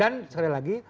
dan sekali lagi